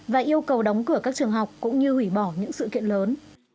và yêu cầu đóng cửa các trường học cũng như hủy bỏ những sự kiện lớn